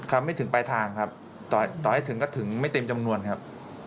ไม่ถึงปลายทางครับต่อให้ถึงก็ถึงไม่เต็มจำนวนครับ